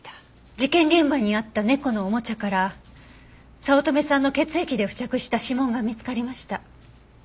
事件現場にあった猫のおもちゃから早乙女さんの血液で付着した指紋が見つかりました。